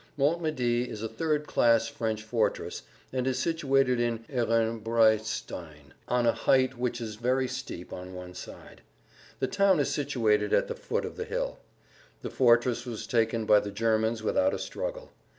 Montmédy is a third class French fortress and is situated like Ehrenbreitstein on a height which is very steep on one side; the town is situated at the foot of the hill. The fortress was taken by the Germans without a struggle.